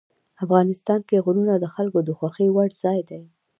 افغانستان کې غرونه د خلکو د خوښې وړ ځای دی.